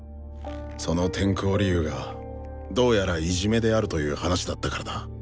その転校理由がどうやらいじめであるという話だったからだ。